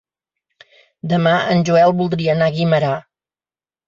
Demà en Joel voldria anar a Guimerà.